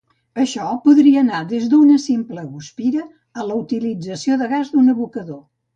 Això podria anar des d'una simple guspira a la utilització de gas d'un abocador.